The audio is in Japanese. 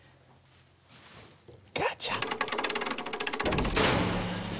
ガチャッ。